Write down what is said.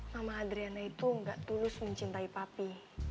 mama adriana itu gak tulus mencintai papi